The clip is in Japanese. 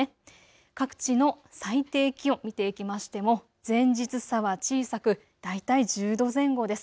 各地の最低気温見ていきましても前日差は小さく大体１０度前後です。